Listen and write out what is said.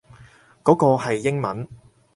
嗰個係英文